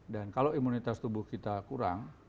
kalau imunitas tubuh kita kurang